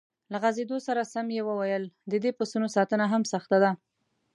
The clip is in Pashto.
له غځېدو سره سم یې وویل: د دې پسونو ساتنه هم سخته ده.